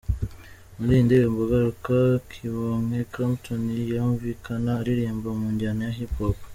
Muri iyi ndirimbo 'Garuka', Kibonke Clapton yumvikana aririmba mu njyana ya Hiphop.